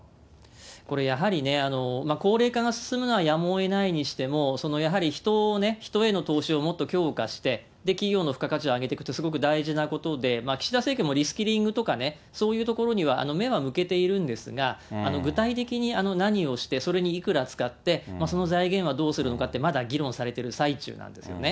これ、やはりね、高齢化が進むのはやむをえないにしても、やはり人をね、人への投資をもっと強化して、企業の付加価値を上げていくって、すごく大事なことで、岸田政権もリスキリングとか、そういうところには目は向けているんですが、具体的に何をして、それにいくら使って、その財源はどうするのかって、まだ議論されてる最中なんですよね。